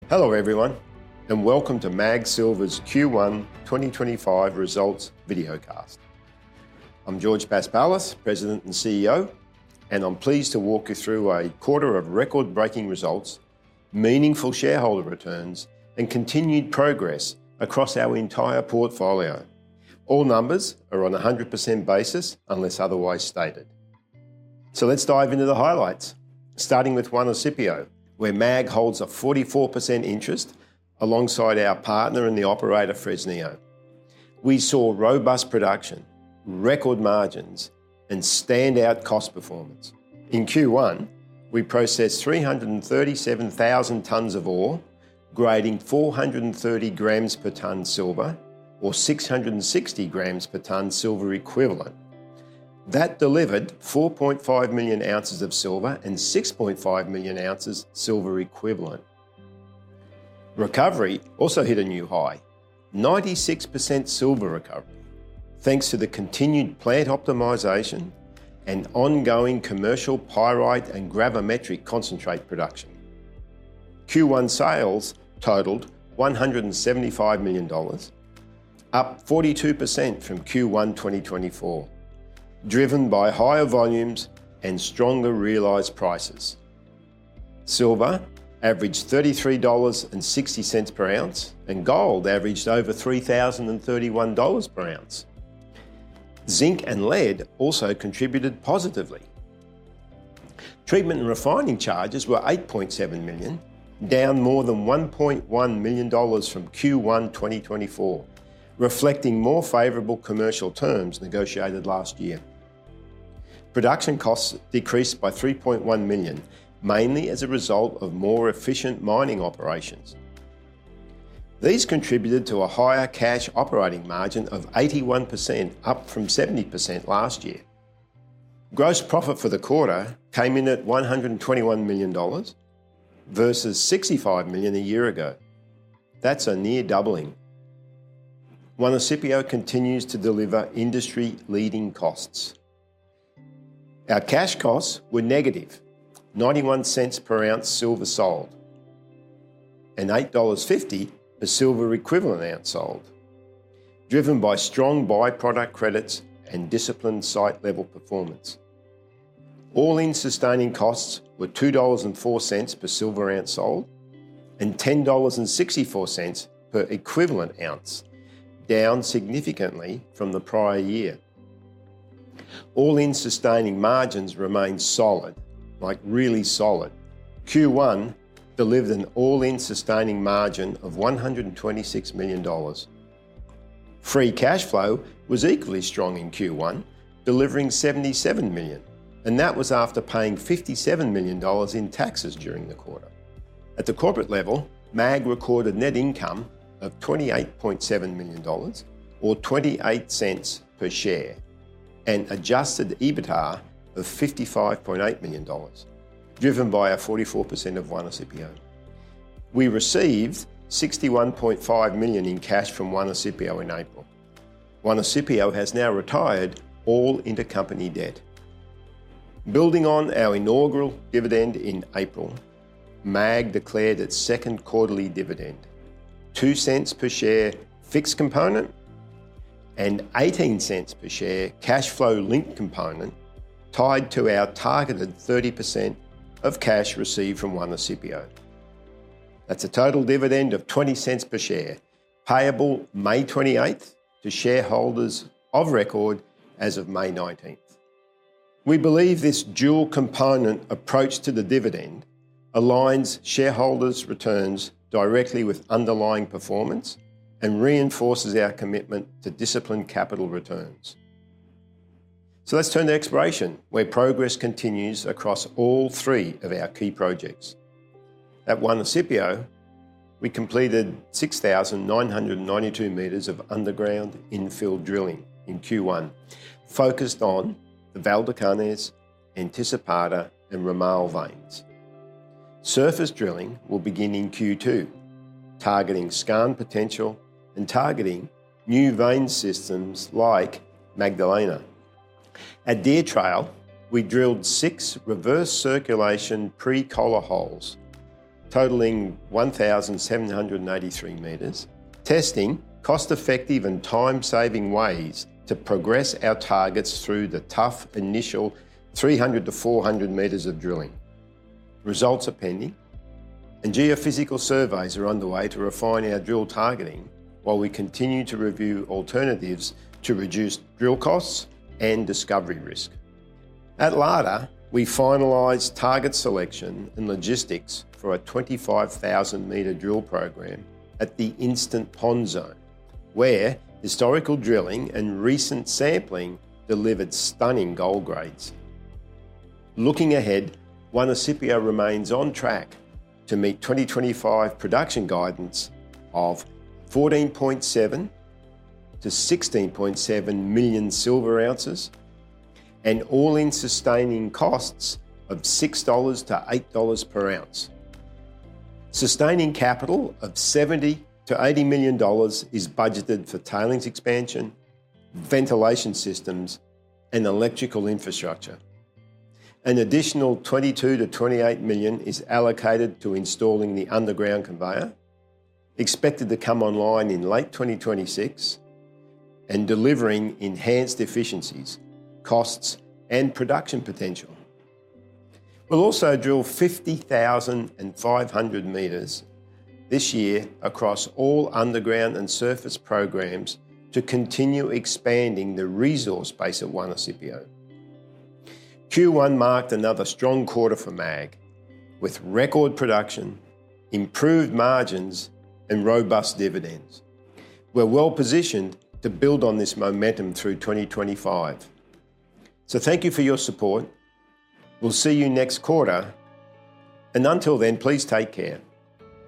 Hello everyone, and welcome to MAG Silver's Q1 2025 results videocast. I'm George Paspalas, President and CEO, and I'm pleased to walk you through a quarter of record-breaking results, meaningful shareholder returns, and continued progress across our entire portfolio. All numbers are on a 100% basis unless otherwise stated. Let's dive into the highlights, starting with one recipient where MAG holds a 44% interest alongside our partner and the operator Fresnillo. We saw robust production, record margins, and standout cost performance. In Q1, we processed 337,000 tonnes of ore, grading 430 g per tonne silver or 660 grams per tonne silver equivalent. That delivered 4.5 million ounces of silver and 6.5 million ounces silver equivalent. Recovery also hit a new high, 96% silver recovery, thanks to the continued plant optimization and ongoing commercial pyrite and gravimetric concentrate production. Q1 sales totalled $175 million, up 42% from Q1 2024, driven by higher volumes and stronger realised prices. Silver averaged $33.60 per ounce, and gold averaged over $3,031 per ounce. Zinc and lead also contributed positively. Treatment and refining charges were $8.7 million, down more than $1.1 million from Q1 2024, reflecting more favourable commercial terms negotiated last year. Production costs decreased by $3.1 million, mainly as a result of more efficient mining operations. These contributed to a higher cash operating margin of 81%, up from 70% last year. Gross profit for the quarter came in at $121 million versus $65 million a year ago. That's a near doubling. One recipient continues to deliver industry-leading costs. Our cash costs were negative, $0.91 per ounce silver sold and $8.50 per silver equivalent ounce sold, driven by strong byproduct credits and disciplined site-level performance. All-in sustaining costs were $2.04 per silver ounce sold and $10.64 per equivalent ounce, down significantly from the prior year. All-in sustaining margins remained solid, like really solid. Q1 delivered an all-in sustaining margin of $126 million. Free cash flow was equally strong in Q1, delivering $77 million, and that was after paying $57 million in taxes during the quarter. At the corporate level, MAG recorded net income of $28.7 million or $0.28 per share and adjusted EBITDA of $55.8 million, driven by a 44% of one recipient. We received $61.5 million in cash from one recipient in April. One recipient has now retired all intercompany debt. Building on our inaugural dividend in April, MAG declared its second quarterly dividend, $0.02 per share fixed component and $0.18 per share cash flow linked component tied to our targeted 30% of cash received from one recipient. That's a total dividend of $0.20 per share payable May 28th to shareholders of record as of May 19th. We believe this dual component approach to the dividend aligns shareholders' returns directly with underlying performance and reinforces our commitment to disciplined capital returns. Let's turn to exploration, where progress continues across all three of our key projects. At Juanicipio, we completed 6,992 m of underground infill drilling in Q1, focused on the Valdecañas, Anticipada, and Ramal veins. Surface drilling will begin in Q2, targeting skarn potential and targeting new vein systems like Magdalena. At Deer Trail, we drilled six reverse circulation pre-collar holes, totalling 1,783 m, testing cost-effective and time-saving ways to progress our targets through the tough initial 300-400 metres of drilling. Results are pending, and geophysical surveys are underway to refine our drill targeting while we continue to review alternatives to reduce drill costs and discovery risk. At Larder, we finalized target selection and logistics for a 25,000 m drill program at the East Pond zone, where historical drilling and recent sampling delivered stunning gold grades. Looking ahead, Juanicipio remains on track to meet 2025 production guidance of 14.7-16.7 million silver ounces and all-in sustaining costs of $6-$8 per ounce. Sustaining capital of $70-$80 million is budgeted for tailings expansion, ventilation systems, and electrical infrastructure. An additional $22-$28 million is allocated to installing the underground conveyor, expected to come online in late 2026, and delivering enhanced efficiencies, costs, and production potential. We'll also drill 50,500 m this year across all underground and surface programs to continue expanding the resource base of Juanicipio. Q1 marked another strong quarter for MAG, with record production, improved margins, and robust dividends. We're well positioned to build on this momentum through 2025. Thank you for your support. We'll see you next quarter, and until then, please take care.